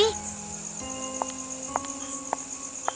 aku akan segera pergi